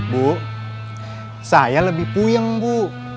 bu saya lebih puyeng bu